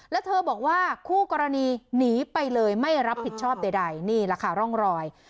แล้วเธอบอกว่าคู่กรณีหนีไปเลยไม่รับผิดชอบใดนี่แหละค่ะร่องรอย